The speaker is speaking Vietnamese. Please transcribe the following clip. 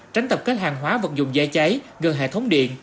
tránh tập kết hàng hóa vật dụng dây trái gần hệ thống điện